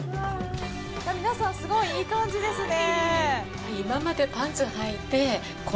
皆さんすごいいい感じですね。